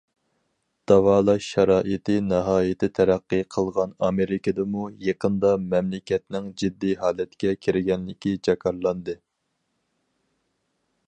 داۋالاش شارائىتى ناھايىتى تەرەققىي قىلغان ئامېرىكىدىمۇ يېقىندا مەملىكەتنىڭ جىددىي ھالەتكە كىرگەنلىكى جاكارلاندى.